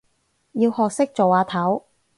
要學識做阿頭